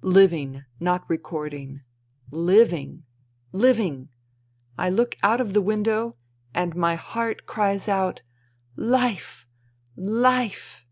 Living, not recording. Living I Living ! I look out of the window, and my heart cries out : Life ! Life